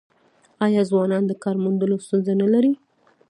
آیا ځوانان د کار موندلو ستونزه نلري؟